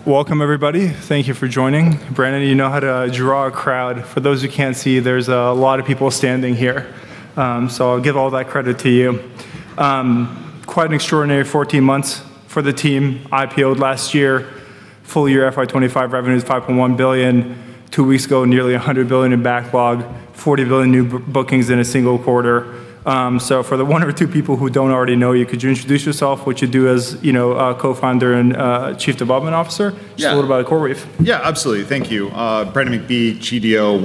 Awesome. Welcome, everybody. Thank you for joining. Brannin, you know how to draw a crowd. For those who can't see, there's a lot of people standing here, so I'll give all that credit to you. Quite an extraordinary 14 months for the team. IPO'd last year. Full year FY 2025 revenues, $5.1 billion. Two weeks ago, nearly $100 billion in backlog, $40 billion new bookings in a single quarter. For the one or two people who don't already know you, could you introduce yourself, what you do as, you know, a co-founder and Chief Development Officer? Yeah. Just a little about CoreWeave. Yeah, absolutely, thank you. Brannin McBee, CDO,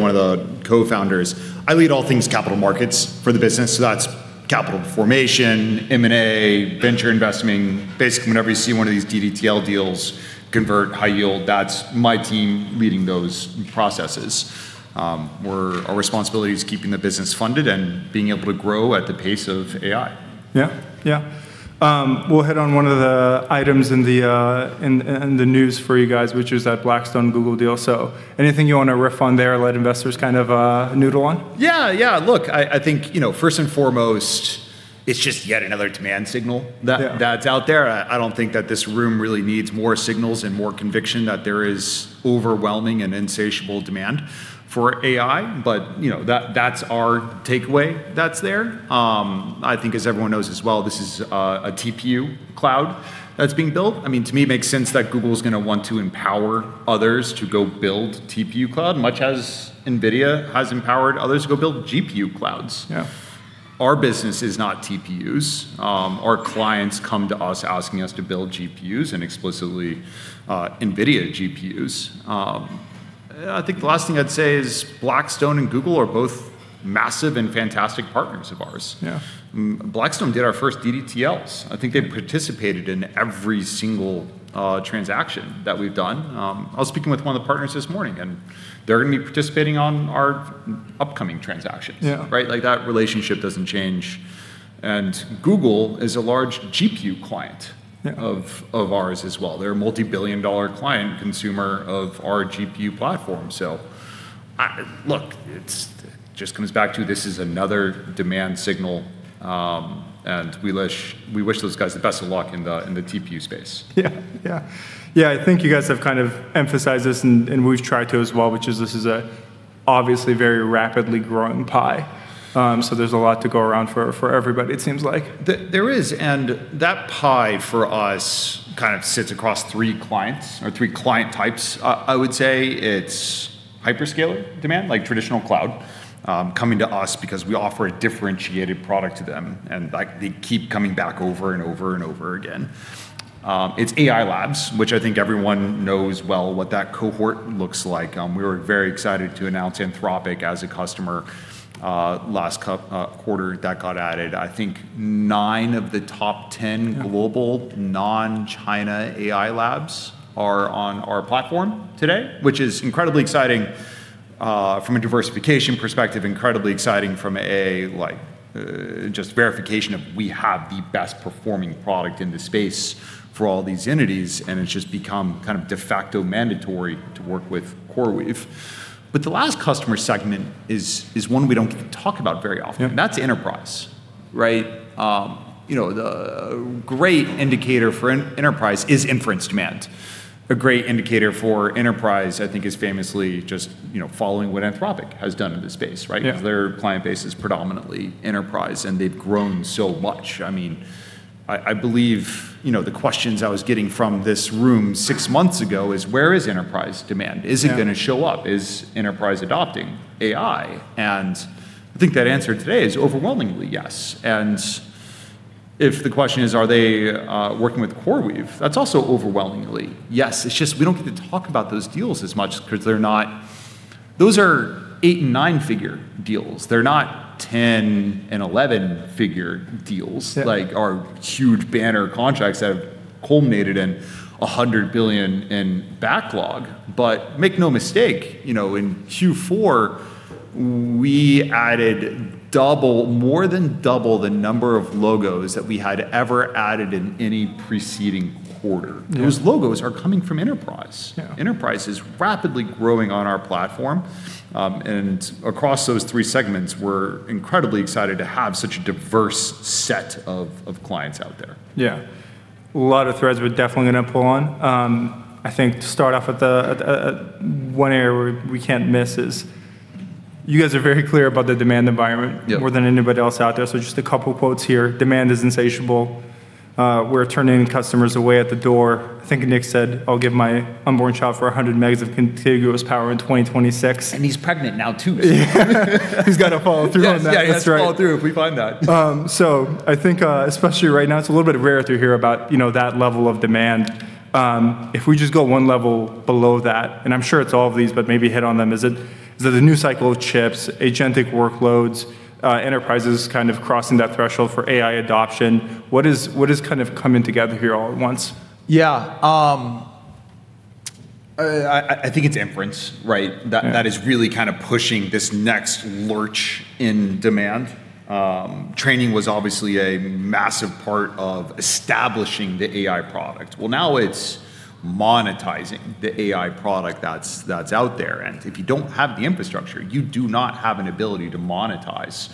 one of the co-founders. I lead all things capital markets for the business, so that's capital formation, M&A, venture investing. Basically, whenever you see one of these DDTL deals convert high yield, that's my team leading those processes. Our responsibility is keeping the business funded and being able to grow at the pace of AI. Yeah, yeah. We'll hit on one of the items in the in the news for you guys, which is that Blackstone Google deal. Anything you wanna riff on there, let investors kind of noodle on? Yeah, yeah. Look, I think, you know, first and foremost, it's just yet another demand signal. Yeah That's out there. I don't think that this room really needs more signals and more conviction that there is overwhelming and insatiable demand for AI. You know, that's our takeaway that's there. I think as everyone knows as well, this is a TPU cloud that's being built. I mean, to me, it makes sense that Google's gonna want to empower others to go build TPU cloud, much as Nvidia has empowered others to go build GPU clouds. Yeah. Our business is not TPUs. Our clients come to us asking us to build GPUs and explicitly, Nvidia GPUs. I think the last thing I'd say is Blackstone and Google are both massive and fantastic partners of ours. Yeah. Blackstone did our first DDTLs. I think they participated in every single transaction that we've done. I was speaking with one of the partners this morning, they're gonna be participating on our upcoming transactions. Yeah. Right? Like, that relationship doesn't change. Google is a large GPU client of ours as well. They're a multi-billion dollar client consumer of our GPU platform. Look, just comes back to this is another demand signal, and we wish those guys the best of luck in the TPU space. Yeah Yeah. Yeah, I think you guys have kind of emphasized this, and we've tried to as well, which is this is a obviously very rapidly growing pie. There's a lot to go around for everybody, it seems like. There is, and that pie for us kind of sits across three clients or three client types. I would say it's hyperscaler demand, like traditional cloud, coming to us because we offer a differentiated product to them, and, like, they keep coming back over and over and over again. It's AI labs, which I think everyone knows well what that cohort looks like. We were very excited to announce Anthropic as a customer last quarter. That got added, I think, nine of the top 10 global non-China AI labs are on our platform today, which is incredibly exciting from a diversification perspective, incredibly exciting from a, like, just verification of we have the best performing product in the space for all these entities, and it's just become kind of de facto mandatory to work with CoreWeave. The last customer segment is one we don't get to talk about very often. Yeah. That's enterprise, right? You know, the great indicator for enterprise is inference demand. A great indicator for enterprise, I think, is famously just, you know, following what Anthropic has done in this space, right? Yeah. Their client base is predominantly enterprise. They've grown so much. I mean, I believe, you know, the questions I was getting from this room six months ago is, Where is enterprise demand? Yeah. Is it gonna show up? Is enterprise adopting AI? I think that answer today is overwhelmingly yes. If the question is, are they working with CoreWeave? That's also overwhelmingly yes. It's just we don't get to talk about those deals as much because those are eight and nine-figure deals. They're not 10 and 11-figure deals. Yeah like our huge banner contracts that have culminated in $100 billion in backlog. Make no mistake, you know, in Q4, we added more than double the number of logos that we had ever added in any preceding quarter. Yeah. Those logos are coming from enterprise. Yeah. Enterprise is rapidly growing on our platform. Across those three segments, we're incredibly excited to have such a diverse set of clients out there. Yeah. A lot of threads we're definitely gonna pull on, I think to start off with the one area we can't miss is you guys are very clear about the demand environment. Yeah More than anybody else out there. Just a couple quotes here. "Demand is insatiable. We're turning customers away at the door." I think Nick said, "I'll give my unborn child for 100 megs of contiguous power in 2026. He's pregnant now too. He's got to follow through on that. Yes. Yeah, he has to follow through if we find that. I think, especially right now, it's a little bit rare to hear about, you know, that level of demand. If we just go one level below that, and I'm sure it's all of these, but maybe hit on them. Is it the new cycle of chips, agentic workloads, enterprises kind of crossing that threshold for AI adoption? What is kind of coming together here all at once? Yeah. I think it's inference, right? Yeah. That is really kind of pushing this next lurch in demand. Training was obviously a massive part of establishing the AI product. Well, now it's monetizing the AI product that's out there, and if you don't have the infrastructure, you do not have an ability to monetize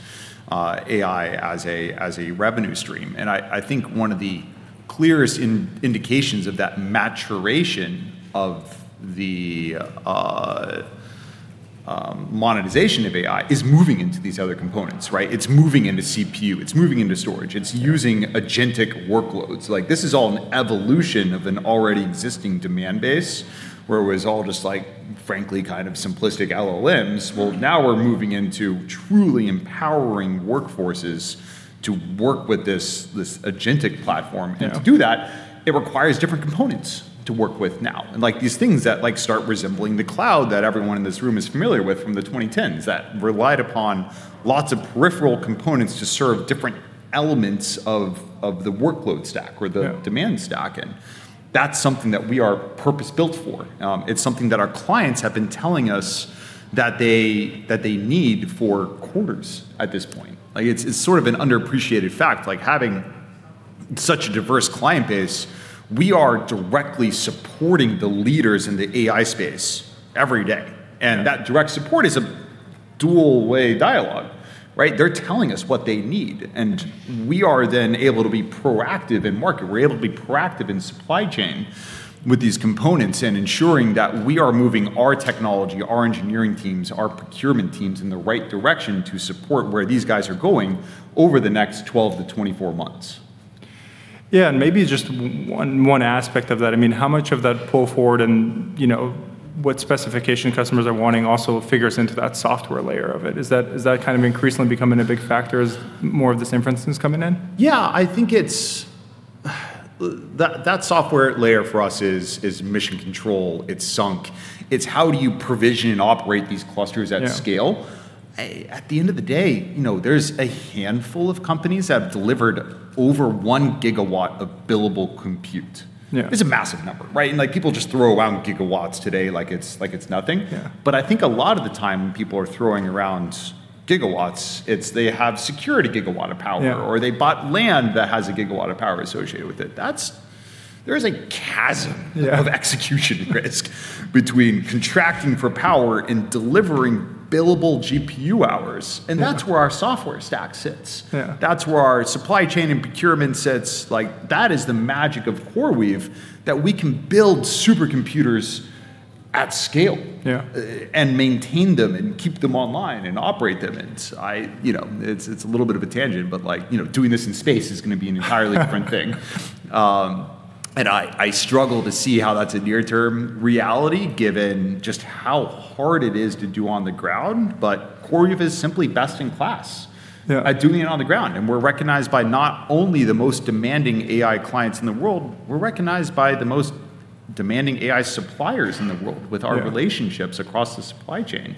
AI as a revenue stream. I think one of the clearest indications of that maturation of the monetization of AI is moving into these other components, right. It's moving into CPU. It's moving into storage. Yeah. It's using agentic workloads. Like, this is all an evolution of an already existing demand base where it was all just like, frankly, kind of simplistic LLMs. Well, now we're moving into truly empowering workforces to work with this agentic platform. Yeah. To do that, it requires different components to work with now. Like, these things that, like, start resembling the cloud that everyone in this room is familiar with from the 2010s that relied upon lots of peripheral components to serve different elements of the workload stack. Yeah Demand stack. That's something that we are purpose-built for. It's something that our clients have been telling us that they need for quarters at this point. Like, it's sort of an underappreciated fact. Like, having such a diverse client base, we are directly supporting the leaders in the AI space every day. Yeah. That direct support is a dual-way dialogue, right? They're telling us what they need, and we are then able to be proactive in market. We're able to be proactive in supply chain with these components and ensuring that we are moving our technology, our engineering teams, our procurement teams in the right direction to support where these guys are going over the next 12-24 months. Yeah, maybe just one aspect of that. I mean, how much of that pull forward and, you know, what specification customers are wanting also figures into that software layer of it. Is that kind of increasingly becoming a big factor as more of this inference is coming in? Yeah, I think it's that software layer for us is Mission Control. It's SUNK. It's how do you provision and operate these clusters at scale. Yeah. At the end of the day, you know, there's a handful of companies that have delivered over 1 gigawatt of billable compute. Yeah. It's a massive number, right? like, people just throw around gigawatts today like it's, like it's nothing. Yeah. I think a lot of the time when people are throwing around gigawatts, it's they have security gigawatt of power. Yeah They bought land that has a gigawatt of power associated with it. There is a chasm. Yeah of execution risk between contracting for power and delivering billable GPU hours. Yeah. That's where our software stack sits. Yeah. That's where our supply chain and procurement sits. Like, that is the magic of CoreWeave, that we can build supercomputers at scale. Yeah Maintain them and keep them online and operate them. You know, it's a little bit of a tangent, but, like, you know, doing this in space is gonna be an entirely different thing. I struggle to see how that's a near-term reality given just how hard it is to do on the ground. CoreWeave is simply best in class. Yeah At doing it on the ground, and we're recognized by not only the most demanding AI clients in the world, we're recognized by the most demanding AI suppliers in the world. Yeah relationships across the supply chain.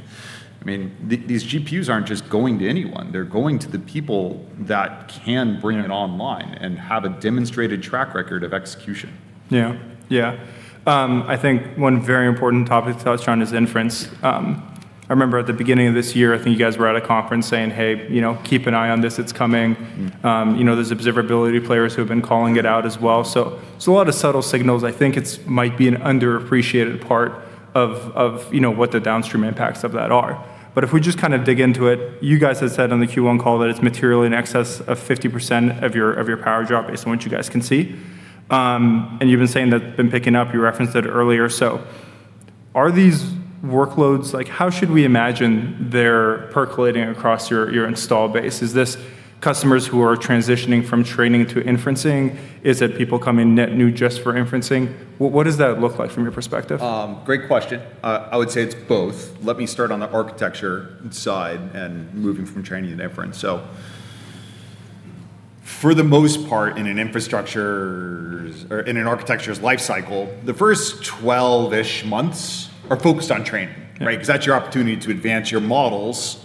I mean, these GPUs aren't just going to anyone. They're going to the people that can bring it. Yeah online and have a demonstrated track record of execution. Yeah. Yeah. I think one very important topic touched on is inference. I remember at the beginning of this year, I think you guys were at a conference saying, "Hey, you know, keep an eye on this. It's coming. You know, there's observability players who have been calling it out as well. A lot of subtle signals. I think it might be an underappreciated part of, you know, what the downstream impacts of that are. If we just kinda dig into it, you guys had said on the Q1 call that it's materially in excess of 50% of your power draw based on what you guys can see. You've been saying that it's been picking up. You referenced it earlier. Are these workloads Like, how should we imagine they're percolating across your install base? Is this customers who are transitioning from training to inferencing? Is it people coming net new just for inferencing? What does that look like from your perspective? Great question. I would say it's both. Let me start on the architecture side and moving from training to inference. For the most part, in an infrastructure's or in an architecture's life cycle, the first 12-ish months are focused on training, right? Yeah. 'Cause that's your opportunity to advance your models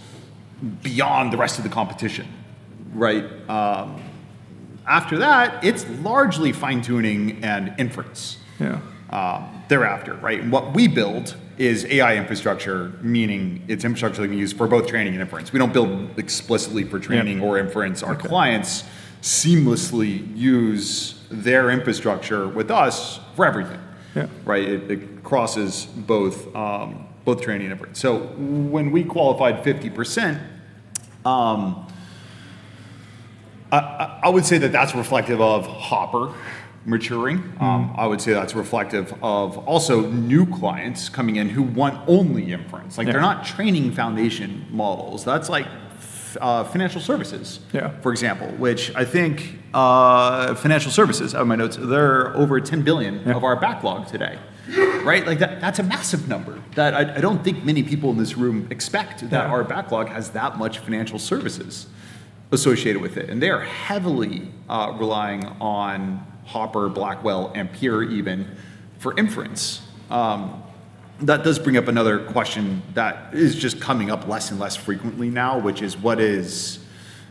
beyond the rest of the competition. Right. After that, it's largely fine-tuning and inference. Yeah Thereafter, right? What we build is AI infrastructure, meaning it's infrastructure that we use for both training and inference. We don't build explicitly for training. Yeah or inference. Okay. Our clients seamlessly use their infrastructure with us for everything. Yeah. Right? It crosses both training and inference. When we qualified 50%, I would say that that's reflective of Hopper maturing. I would say that's reflective of also new clients coming in who want only inference. Yeah. Like, they're not training foundation models. That's like financial services- Yeah for example, which I think, financial services, out of my notes, they're over $10 billion. Yeah Of our backlog today, right? Like, that's a massive number that I don't think many people in this room. Yeah That our backlog has that much financial services associated with it, and they are heavily relying on Hopper, Blackwell, Ampere even for inference. That does bring up another question that is just coming up less and less frequently now, which is what is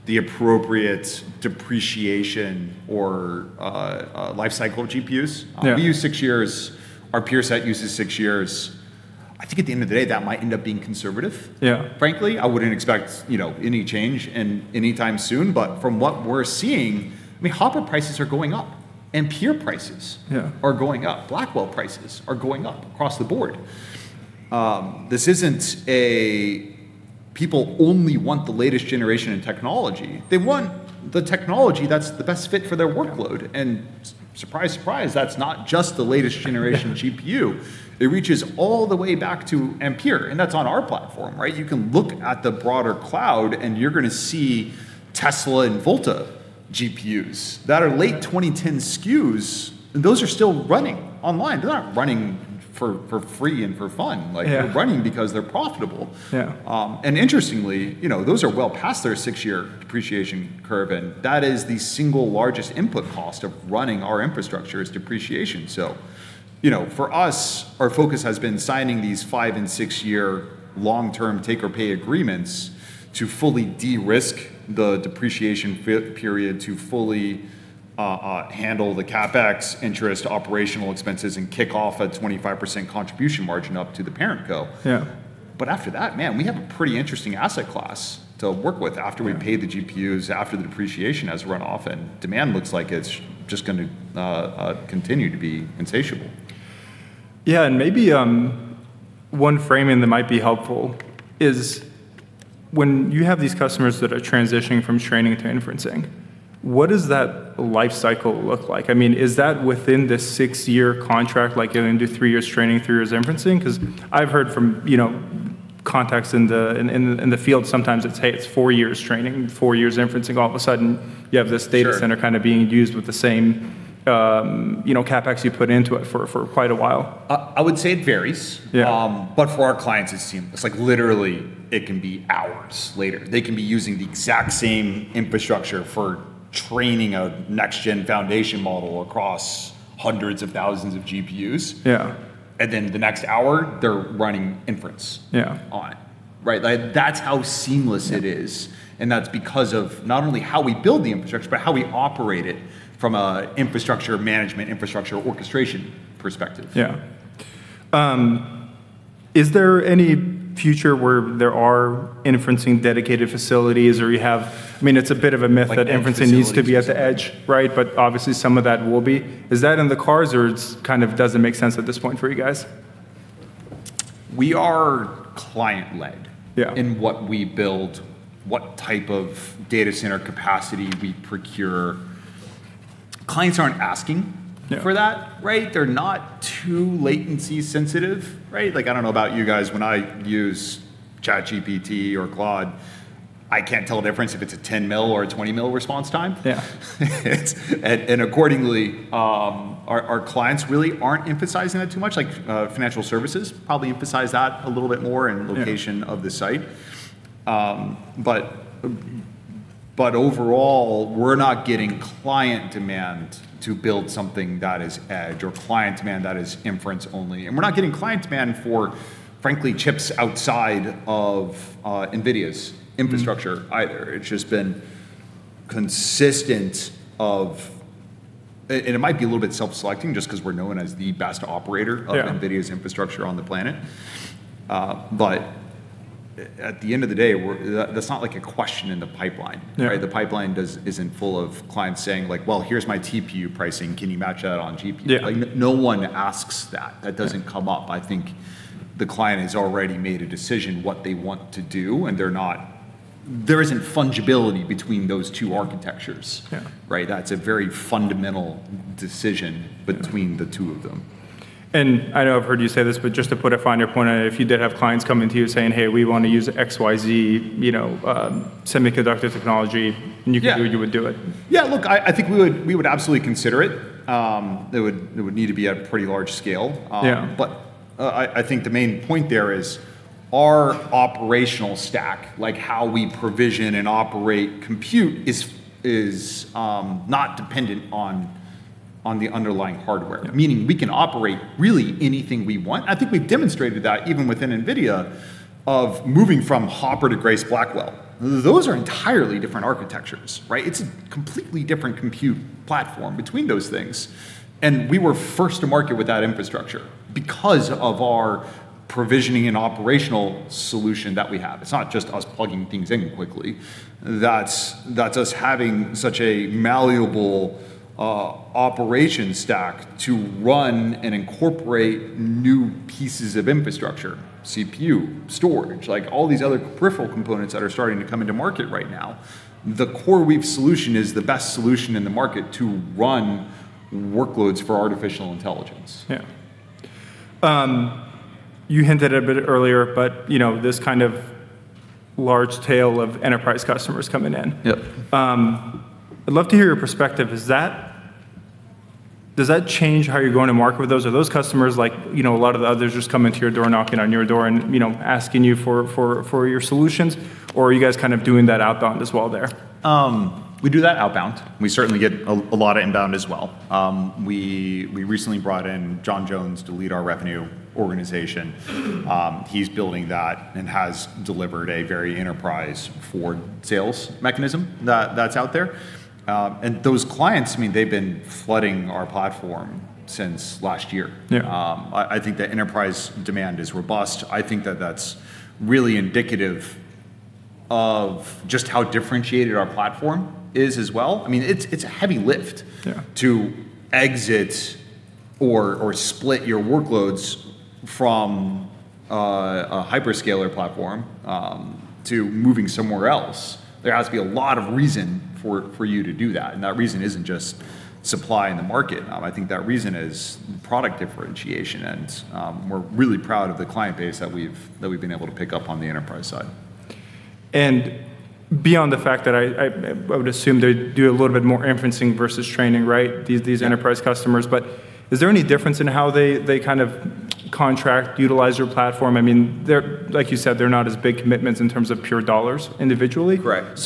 the appropriate depreciation or life cycle of GPUs? Yeah. We use six years. Our peer set uses six years. I think at the end of the day, that might end up being conservative. Yeah. Frankly, I wouldn't expect, you know, any change in, anytime soon. But from what we're seeing, I mean, Hopper prices are going up, Ampere prices. Yeah Are going up. Blackwell prices are going up across the board. This isn't a people only want the latest generation in technology. They want the technology that's the best fit for their workload. Yeah. Surprise, surprise, that's not just the latest generation GPU. Yeah. It reaches all the way back to Ampere, and that's on our platform, right? You can look at the broader cloud, and you're gonna see Tesla and Volta GPUs. Yeah. That are late 2010 SKUs, and those are still running online. They're not running for free and for fun. Yeah they're running because they're profitable. Yeah. Interestingly, you know, those are well past their six-year depreciation curve, that is the single largest input cost of running our infrastructure is depreciation. You know, for us, our focus has been signing these five and six-year long-term take or pay agreements to fully de-risk the depreciation period, to fully handle the CapEx interest operational expenses, kick off a 25% contribution margin up to the parent co. Yeah. After that, man, we have a pretty interesting asset class to work with. Yeah We've paid the GPUs, after the depreciation has run off, and demand looks like it's just gonna continue to be insatiable. Yeah, maybe one framing that might be helpful is when you have these customers that are transitioning from training to inferencing, what does that life cycle look like? I mean, is that within the six-year contract, like you're gonna do three years training, three years inferencing? 'Cause I've heard from, you know, contacts in the field, sometimes it's, "Hey, it's four years training, four years inferencing." All of a sudden you have this data. Sure center kinda being used with the same, you know, CapEx you put into it for quite a while. I would say it varies. Yeah. For our clients, it's seamless. Like, literally, it can be hours later. They can be using the exact same infrastructure for training a next-gen foundation model across hundreds of thousands of GPUs. Yeah. The next hour, they're running inference. Yeah On it, right? Like, that's how seamless it is. Yeah. That's because of not only how we build the infrastructure, but how we operate it from an infrastructure management, infrastructure orchestration perspective. Yeah. Is there any future where there are inferencing dedicated facilities, or you have I mean, it's a bit of a myth that inferencing. Like data facilities. needs to be at the edge, right? Obviously some of that will be. Is that in the cards or it's, kind of doesn't make sense at this point for you guys? We are client led. Yeah In what we build, what type of data center capacity we procure. Clients aren't asking. Yeah For that, right? They're not too latency sensitive, right? Like, I don't know about you guys, when I use ChatGPT or Claude, I can't tell a difference if it's a 10 mil or a 20 mil response time. Yeah. It's And accordingly, our clients really aren't emphasizing that too much. Like financial services probably emphasize that a little bit more... Yeah ...in location of the site. Overall, we're not getting client demand to build something that is edge, or client demand that is inference only, and we're not getting client demand for, frankly, chips outside of Nvidia's infrastructure either. It's just been consistent of A- and it might be a little bit self-selecting just 'cause we're known as the best operator. Yeah of Nvidia's infrastructure on the planet. At the end of the day, we're, that's not, like, a question in the pipeline. Yeah. Right? The pipeline isn't full of clients saying, like, "Well, here's my TPU pricing. Can you match that on GPU? Yeah. Like, no one asks that. Yeah. That doesn't come up. I think the client has already made a decision what they want to do. There isn't fungibility between those two architectures. Yeah. Right? That's a very fundamental decision. Yeah between the two of them. I know I've heard you say this, but just to put a finer point on it, if you did have clients coming to you saying, "Hey, we wanna use XYZ, you know, semiconductor technology. Yeah You would do it. Yeah, look, I think we would absolutely consider it. It would need to be at a pretty large scale. Yeah I think the main point there is our operational stack, like how we provision and operate compute, is not dependent on the underlying hardware. Yeah. Meaning we can operate really anything we want. I think we've demonstrated that even within Nvidia of moving from Hopper to Grace Blackwell. Those are entirely different architectures, right? It's a completely different compute platform between those things, and we were first to market with that infrastructure because of our provisioning and operational solution that we have. It's not just us plugging things in quickly. That's us having such a malleable operation stack to run and incorporate new pieces of infrastructure, CPU, storage, like, all these other peripheral components that are starting to come into market right now. The CoreWeave solution is the best solution in the market to run workloads for artificial intelligence. Yeah. You hinted a bit earlier, you know, this kind of large tail of enterprise customers coming in. Yeah. I'd love to hear your perspective. Does that change how you're going to market with those? Are those customers like, you know, a lot of the others who just come into your door, knocking on your door and, you know, asking you for your solutions, or are you guys kind of doing that outbound as well there? We do that outbound. We certainly get a lot of inbound as well. We recently brought in Jon Jones to lead our revenue organization. He's building that and has delivered a very enterprise forward sales mechanism that's out there. Those clients, I mean, they've been flooding our platform since last year. Yeah. I think the enterprise demand is robust. I think that that's really indicative of just how differentiated our platform is as well. I mean, it's a heavy lift. Yeah To exit or split your workloads from a hyperscaler platform to moving somewhere else. There has to be a lot of reason for you to do that, and that reason isn't just supply and the market. I think that reason is product differentiation, and we're really proud of the client base we've been able to pick up on the enterprise side. Beyond the fact that I would assume they do a little bit more inferencing versus training, right? These enterprise customers. Is there any difference in how they kind of contract, utilize your platform? I mean, like you said, they're not as big commitments in terms of pure dollars individually. Correct.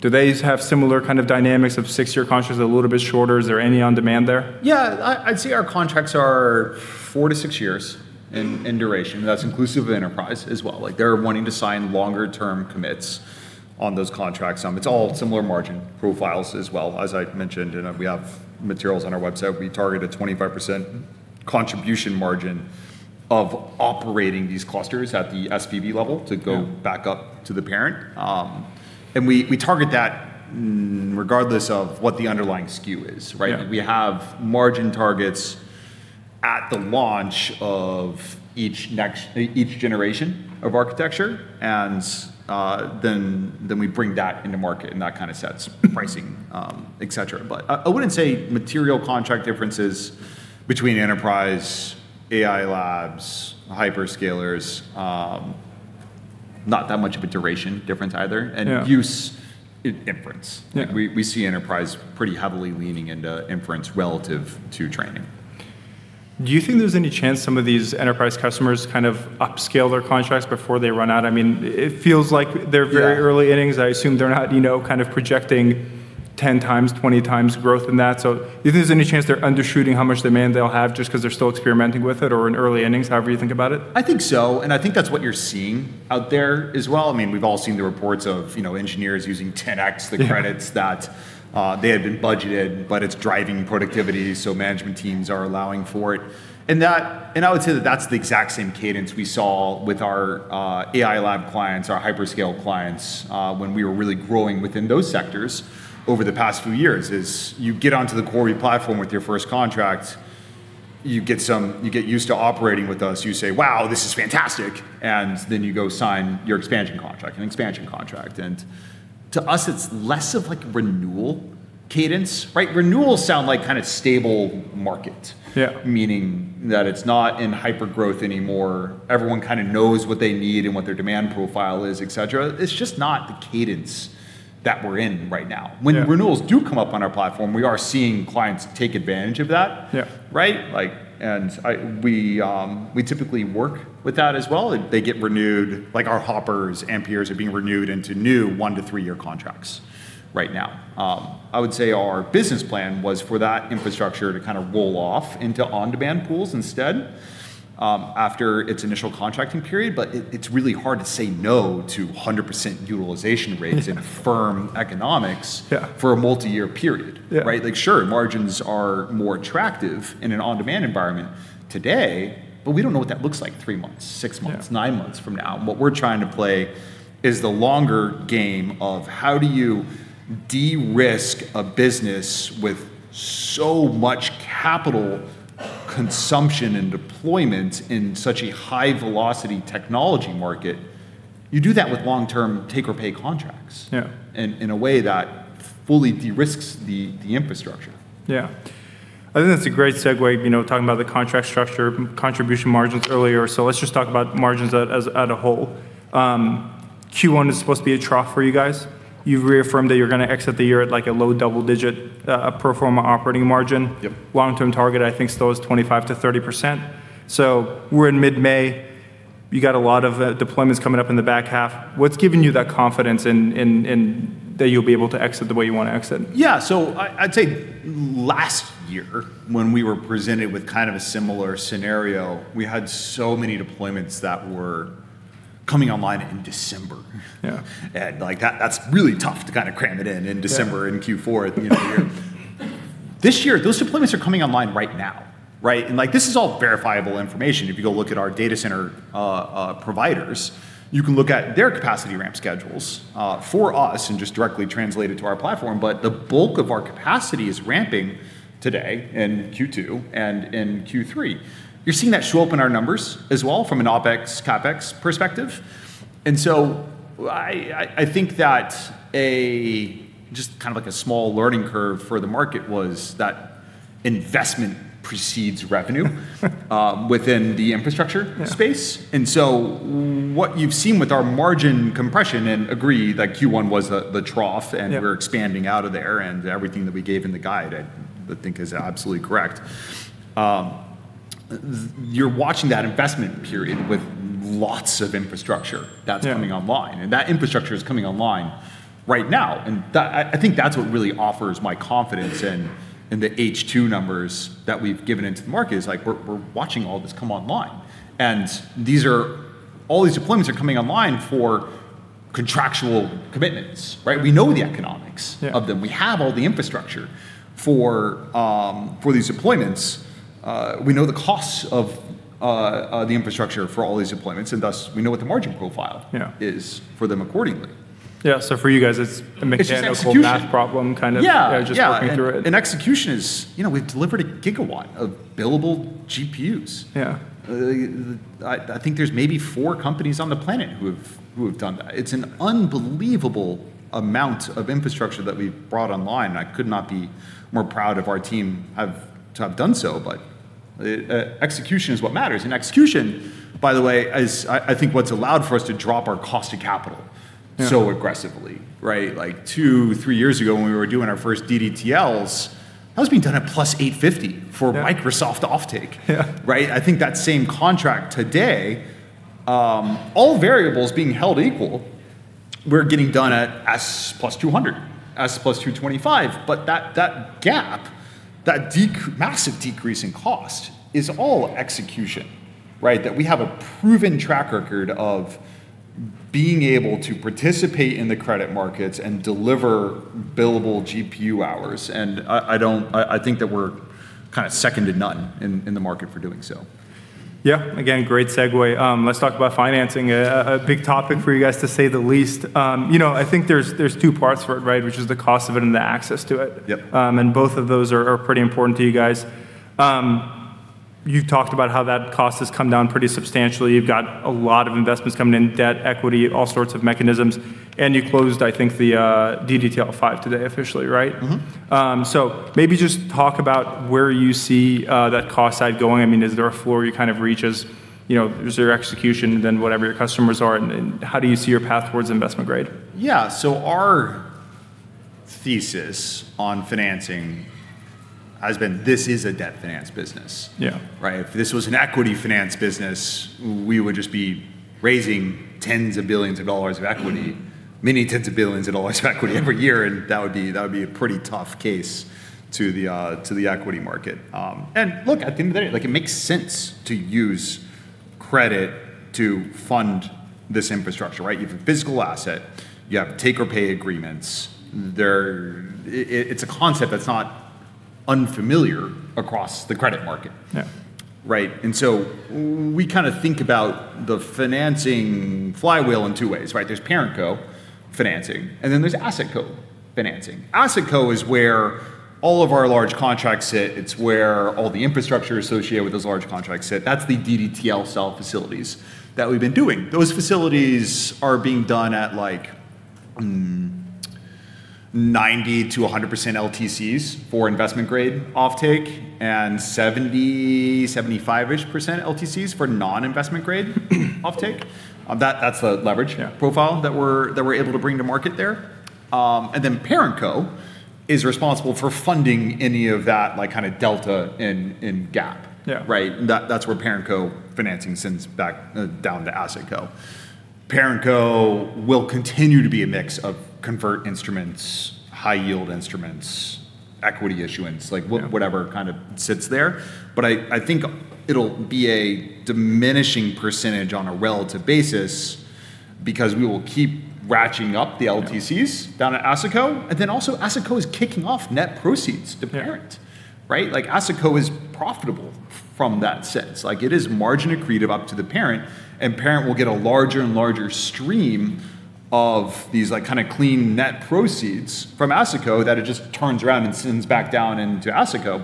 Do they have similar kind of dynamics of 6-year contracts? Are they a little bit shorter? Is there any on-demand there? I'd say our contracts are four to six years in duration. That's inclusive of enterprise as well. Like, they're wanting to sign longer term commits on those contracts. It's all similar margin profiles as well. As I mentioned, and we have materials on our website, we target a 25% contribution margin of operating these clusters at the SPV level. Yeah back up to the parent. We target that regardless of what the underlying SKU is, right? Yeah. We have margin targets at the launch of each next, each generation of architecture, and, then we bring that into market, and that kind of sets pricing, et cetera. I wouldn't say material contract difference is between enterprise, AI labs, hyperscalers. Not that much of a duration difference either. Yeah. Use inference. Yeah. We see enterprise pretty heavily leaning into inference relative to training. Do you think there's any chance some of these enterprise customers kind of upscale their contracts before they run out? I mean, it feels like they're. Yeah Very early innings. I assume they're not, you know, kind of projecting 10 times, 20 times growth in that. Do you think there's any chance they're undershooting how much demand they'll have just 'cause they're still experimenting with it, or in early innings? However you think about it. I think so, and I think that's what you're seeing out there as well. I mean, we've all seen the reports of, you know, engineers using 10X- Yeah The credits that they had been budgeted, but it's driving productivity, so management teams are allowing for it. That, and I would say that that's the exact same cadence we saw with our AI lab clients, our hyperscale clients, when we were really growing within those sectors over the past few years, is you get onto the CoreWeave platform with your first contract, you get some, you get used to operating with us. You say, "Wow, this is fantastic," and then you go sign your expansion contract, an expansion contract. To us, it's less of, like, renewal cadence, right? Renewals sound like kind of stable market. Yeah. Meaning that it's not in hypergrowth anymore. Everyone kind of knows what they need and what their demand profile is, et cetera. It's just not the cadence that we're in right now. Yeah. When renewals do come up on our platform, we are seeing clients take advantage of that. Yeah. We typically work with that as well. They get renewed, like our Hoppers, Amperes are being renewed into new one-three year contracts right now. I would say our business plan was for that infrastructure to kind of roll off into on-demand pools instead, after its initial contracting period, but it's really hard to say no to 100% utilization rates, in firm economics. Yeah for a multi-year period. Yeah. Right? Like, sure, margins are more attractive in an on-demand environment today, but we don't know what that looks like 3 months, 6 months. Yeah Nine months from now. What we're trying to play is the longer game of how do you de-risk a business with so much capital consumption and deployment in such a high-velocity technology market? You do that with long-term take or pay contracts. Yeah in a way that fully de-risks the infrastructure. Yeah. I think that's a great segue, you know, talking about the contract structure, contribution margins earlier. Let's just talk about margins at a whole. Q1 is supposed to be a trough for you guys. You've reaffirmed that you're gonna exit the year at, like, a low double digit pro forma operating margin. Yep. Long-term target, I think still is 25%-30%. We're in mid-May. You got a lot of deployments coming up in the back half. What's giving you that confidence in that you'll be able to exit the way you want to exit? Yeah. I'd say last year when we were presented with kind of a similar scenario, we had so many deployments that were coming online in December. Yeah. like, that's really tough to kind of cram it in in December. Yeah In Q4 at the end of the year. This year, those deployments are coming online right now, right? Like, this is all verifiable information. If you go look at our data center providers, you can look at their capacity ramp schedules for us and just directly translate it to our platform. The bulk of our capacity is ramping today in Q2 and in Q3. You're seeing that show up in our numbers as well from an OpEx, CapEx perspective. I think that just kind of like a small learning curve for the market was that investment precedes revenue within the infrastructure space. Yeah. What you've seen with our margin compression, and agree that Q1 was the trough. Yeah We're expanding out of there, and everything that we gave in the guide I think is absolutely correct. You're watching that investment period with lots of infrastructure that's- Yeah Coming online, that infrastructure is coming online right now. That, I think that's what really offers my confidence in the H2 numbers that we've given into the market is, like, we're watching all this come online. All these deployments are coming online for contractual commitments, right? We know the economics. Yeah of them. We have all the infrastructure for these deployments. We know the costs of the infrastructure for all these deployments, and thus we know what the margin profile. Yeah is for them accordingly. Yeah, for you guys, it's a. It's just execution. math problem, kind of. Yeah. Just working through it. Yeah, execution is. You know, we've delivered a gigawatt of billable GPUs. Yeah. I think there's maybe four companies on the planet who have done that. It's an unbelievable amount of infrastructure that we've brought online. I could not be more proud of our team to have done so. Execution is what matters. Execution, by the way, is I think what's allowed for us to drop our cost of capital. Yeah Aggressively, right? Like two, three years ago when we were doing our first DDTLs, that was being done at plus 850. Yeah Microsoft offtake. Yeah. Right? I think that same contract today, all variables being held equal, we're getting done at S plus 200, S plus 225. That gap, that massive decrease in cost is all execution, right? That we have a proven track record of being able to participate in the credit markets and deliver billable GPU hours, and I don't think that we're kinda second to none in the market for doing so. Yeah. Again, great segue. Let's talk about financing. A big topic for you guys, to say the least. You know, I think there's two parts for it, right, which is the cost of it and the access to it. Yep. Both of those are pretty important to you guys. You've talked about how that cost has come down pretty substantially. You've got a lot of investments coming in, debt, equity, all sorts of mechanisms, and you closed, I think, the DDTL 5 today officially, right? Maybe just talk about where you see that cost side going. I mean, is there a floor you kind of reach as, is there execution, then whatever your customers are, and how do you see your path towards investment grade? Yeah, our thesis on financing has been this is a debt finance business. Yeah. Right? If this was an equity finance business, we would just be raising tens of billions of dollars of equity, many tens of billions of dollars of equity every year, and that would be a pretty tough case to the equity market. Look, at the end of the day, like, it makes sense to use credit to fund this infrastructure, right? You have a physical asset, you have take or pay agreements. It's a concept that's not unfamiliar across the credit market. Yeah. Right? We kind of think about the financing flywheel in two ways, right? There's parent co financing, there's asset co financing. Asset co is where all of our large contracts sit. It's where all the infrastructure associated with those large contracts sit. That's the DDTL sell facilities that we've been doing. Those facilities are being done at 90%-100% LTCs for investment grade offtake, 70%, 75-ish percent LTCs for non-investment grade offtake. That's the leverage- Yeah profile that we're able to bring to market there. Then parent co is responsible for funding any of that, like, kind of delta in gap. Yeah. Right? That's where parent co financing sends back down to asset co. Parent co will continue to be a mix of convert instruments, high yield instruments, equity issuance. Yeah whatever kind of sits there, but I think it'll be a diminishing percentage on a relative basis because we will keep ratcheting up the LTCs. Yeah down at asset co, and then also asset co is kicking off net proceeds to parent. Parent. Right? Like asset co is profitable from that sense. Like, it is margin accretive up to the parent, and parent will get a larger and larger stream of these, like, kinda clean net proceeds from asset co that it just turns around and sends back down into asset co.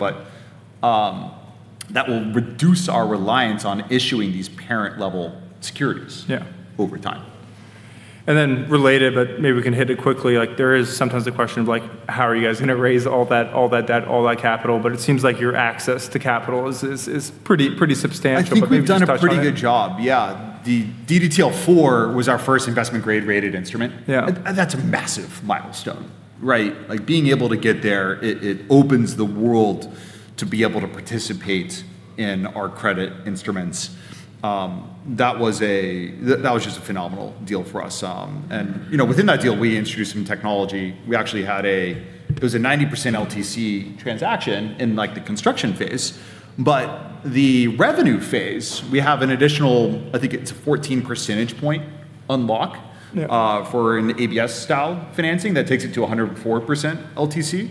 That will reduce our reliance on issuing these parent level securities- Yeah over time. Related, but maybe we can hit it quickly, like, there is sometimes the question of, like, how are you guys gonna raise all that debt, all that capital? It seems like your access to capital is pretty substantial. Maybe just touch on it. I think we've done a pretty good job. Yeah. The DDTL 4 was our first investment grade rated instrument. Yeah. That's a massive milestone, right? Like, being able to get there, it opens the world to be able to participate in our credit instruments. That was just a phenomenal deal for us. You know, within that deal, we introduced some technology. We actually had a 90% LTC transaction in, like, the construction phase, but the revenue phase, we have an additional, I think it's a 14 percentage point unlock. Yeah For an ABS style financing that takes it to 104% LTC.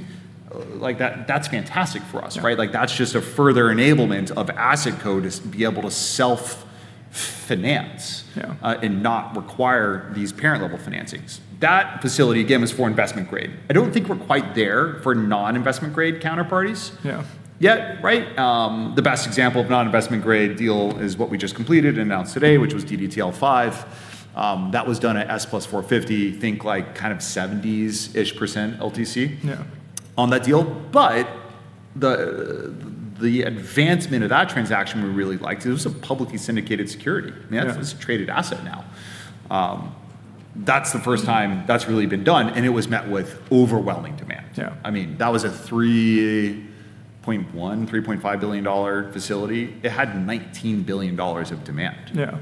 Like, that's fantastic for us, right? Yeah. Like, that's just a further enablement of asset co to be able to self-finance. Yeah Not require these parent level financings. That facility, again, was for investment grade. I don't think we're quite there for non-investment grade counterparties. Yeah yet, right? The best example of non-investment grade deal is what we just completed, announced today, which was DDTL 5. That was done at S + 450, think, like, kind of 70%-ish LTC. Yeah on that deal. The advancement of that transaction we really liked is it was a publicly syndicated security. Yeah. I mean, that's a traded asset now. That's the first time that's really been done, and it was met with overwhelming demand. Yeah. I mean, that was a $3.1, $3.5 billion facility. It had $19 billion of demand. Yeah.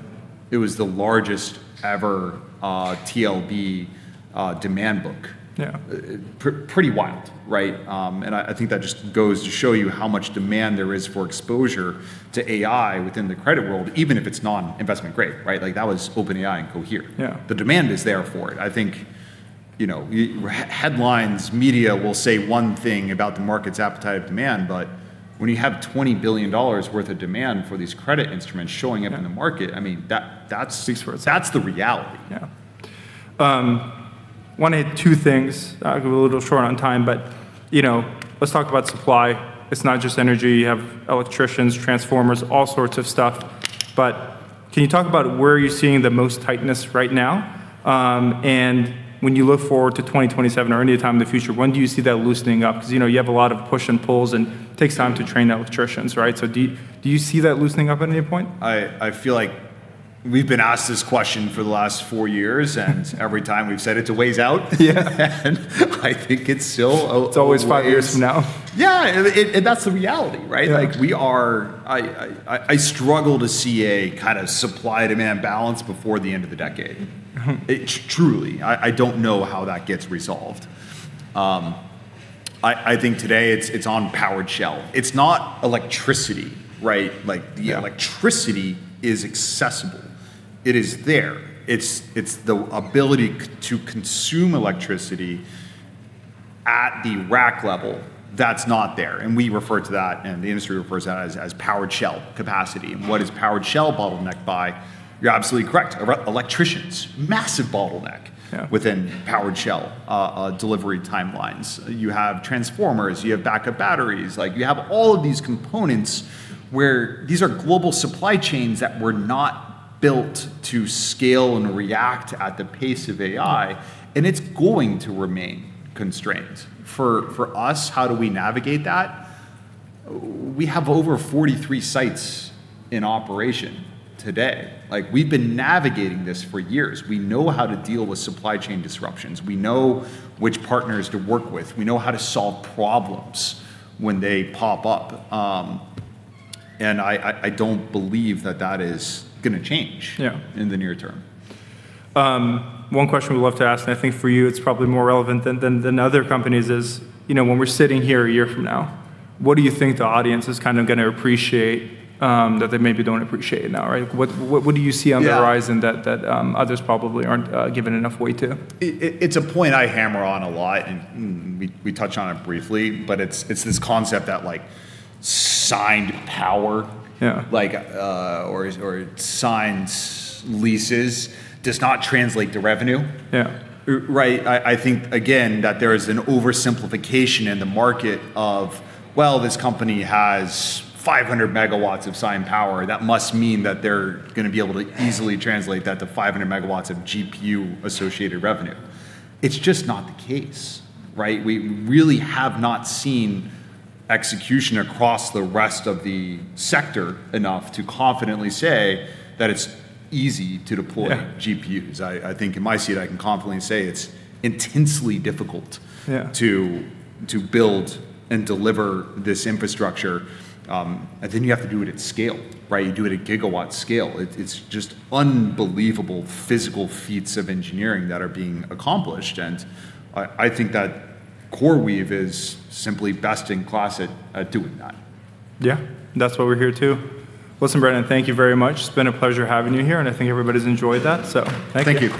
It was the largest ever, TLB, demand book. Yeah. Pretty wild, right? I think that just goes to show you how much demand there is for exposure to AI within the credit world, even if it's non-investment grade, right? Like, that was OpenAI and Cohere. Yeah. The demand is there for it. I think You know, headlines, media will say one thing about the market's appetite of demand, when you have $20 billion worth of demand for these credit instruments showing up in the market, I mean, that speaks for itself. That's the reality. Wanted two things. I'm a little short on time but, you know, let's talk about supply. It's not just energy. You have electricians, transformers, all sorts of stuff, but can you talk about where you're seeing the most tightness right now? When you look forward to 2027 or any time in the future, when do you see that loosening up? 'Cause, you know, you have a lot of push and pulls, and it takes time to train electricians, right? Do you see that loosening up at any point? I feel like we've been asked this question for the last four years. Every time we've said it's a ways out. Yeah. I think it's still a. It's always five years from now. Yeah. That's the reality, right? Yeah. Like, we are I struggle to see a kind of supply-demand balance before the end of the decade. It Truly, I don't know how that gets resolved. I think today it's on powered shell. It's not electricity, right? Yeah The electricity is accessible. It is there. It's the ability to consume electricity at the rack level that's not there, and we refer to that and the industry refers to that as powered shell capacity. What is powered shell bottlenecked by? You're absolutely correct. Electricians. Massive bottleneck... Yeah ...within powered shell delivery timelines. You have transformers, you have backup batteries. Like, you have all of these components where these are global supply chains that were not built to scale and react at the pace of AI, and it's going to remain constrained. For us, how do we navigate that? We have over 43 sites in operation today. Like, we've been navigating this for years. We know how to deal with supply chain disruptions. We know which partners to work with. We know how to solve problems when they pop up. I don't believe that that is gonna change... Yeah ...in the near term. One question we love to ask, and I think for you it's probably more relevant than other companies, is, you know, when we're sitting here a year from now, what do you think the audience is kind of gonna appreciate, that they maybe don't appreciate now, right? What do you see on the horizon? Yeah that others probably aren't giving enough weight to? It's a point I hammer on a lot, and we touch on it briefly, but it's this concept that, like, signed power-. Yeah ...like, or signed leases, does not translate to revenue. Yeah. Right? I think, again, that there is an oversimplification in the market of, well, this company has 500 MW of signed power. That must mean that they're gonna be able to easily translate that to 500 MW of GPU-associated revenue. It's just not the case, right? We really have not seen execution across the rest of the sector enough to confidently say that it's easy to deploy. Yeah GPUs. I think in my seat I can confidently say it's intensely difficult... Yeah ...to build and deliver this infrastructure. You have to do it at scale, right? You do it at gigawatt scale. It's just unbelievable physical feats of engineering that are being accomplished, I think that CoreWeave is simply best in class at doing that. That's what we're here to. Listen, Brannin, thank you very much. It's been a pleasure having you here, and I think everybody's enjoyed that. Thank you.